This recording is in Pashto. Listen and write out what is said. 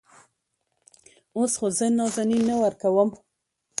اوس خو زه نازنين نه ورکوم.